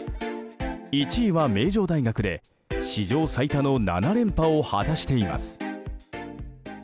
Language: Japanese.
１位は名城大学で史上最多の７連覇を果たしています。